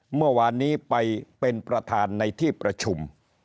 เมื่อวานนี้ไปเป็นประธานในที่ประชุม